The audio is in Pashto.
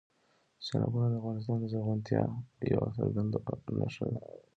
سیلابونه د افغانستان د زرغونتیا یوه څرګنده نښه ده.